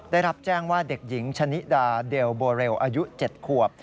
ได้รับแจ้งว่าเด็กหญิงชะนิดาเดลโบเรลอายุ๗ขวบ